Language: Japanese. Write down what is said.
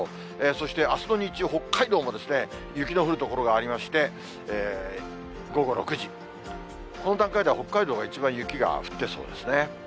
そしてあすの日中、北海道も雪の降る所がありまして、午後６時、この段階では北海道が一番雪が降ってそうですね。